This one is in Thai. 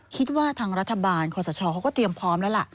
คิดว่าทางรัฐบาลคอสชเขาก็เตรียมพร้อมแล้วล่ะ